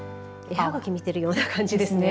絵はがき見てるような感じですね。